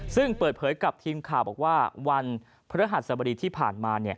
ซึ่งเปิดเผยกับทีมข่าวบอกว่าวันพฤหัสบดีที่ผ่านมา